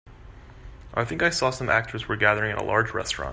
I think I saw some actors were gathering at a large restaurant.